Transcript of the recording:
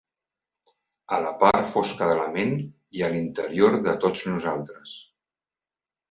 A la part fosca de la ment i a l'interior de tots nosaltres.